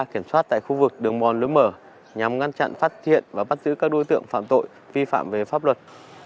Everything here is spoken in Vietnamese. kiểm soát tại khu vực đường mòn lối mở nhằm ngăn chặn phát hiện và bắt giữ các đối tượng phạm tội vi phạm về pháp luật